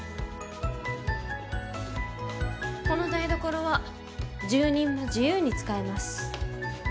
この台所は住人も自由に使えます。